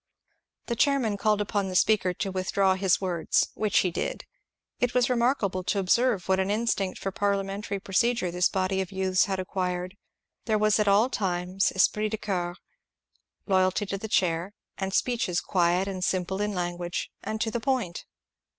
The chairman called upon the speaker to withdraw his words, which he did. It was remarkable to observe what an instinct for parliamen tary procedure this body of youths had acquired. There was at all times esjyrit de corps^ loyalty to the chair, and speeches quiet and simple in language, and to the point.